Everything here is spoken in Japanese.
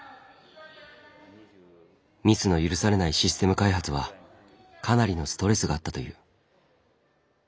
ミスの許されないシステム開発はかなりのストレスがあったという。